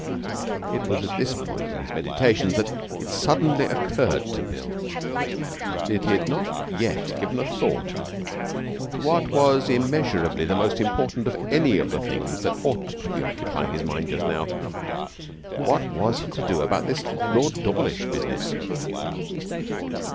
It was at this point in his meditations that it suddenly occurred to Bill that he had not yet given a thought to what was immeasurably the most important of any of the things that ought to be occupying his mind just now. What was he to do about this Lord Dawlish business?